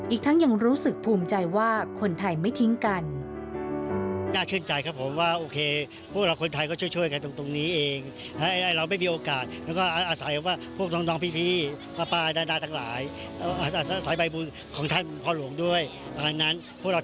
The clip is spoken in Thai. อีกทั้งยังรู้สึกภูมิใจว่าคนไทยไม่ทิ้งกัน